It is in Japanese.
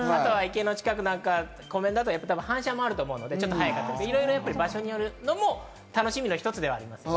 池の近くなんか、湖面だと反射もあると思うので、ちょっと早いとか、場所によるのも楽しみの一つです。